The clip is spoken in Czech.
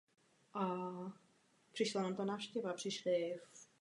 Manžel ji přežil o patnáct let.